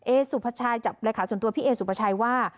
สุภาชัยกับเลขาส่วนตัวพี่เอสุภาชัยว่า